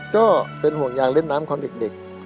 ก็เป็นห่วงยางเล่นน้ำตอนเด็ก